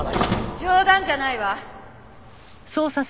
冗談じゃないわ！